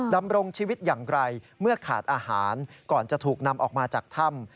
ดำรงชีวิตอย่างไรเมื่อขาดอาหารก่อนจะถูกนำออกมาจากถ้ำ